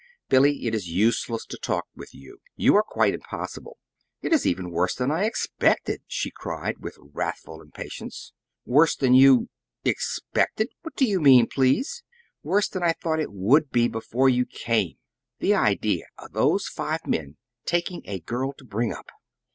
"Billy, it is useless to talk with you. You are quite impossible. It is even worse than I expected!" she cried, with wrathful impatience. "Worse than you expected? What do you mean, please?" "Worse than I thought it would be before you came. The idea of those five men taking a girl to bring up!"